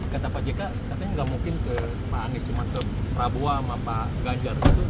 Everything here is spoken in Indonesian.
kata pak jk katanya nggak mungkin ke pak anies cuma ke prabowo sama pak ganjar gitu